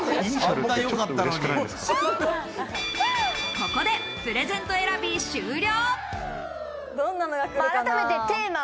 ここでプレゼント選び終了。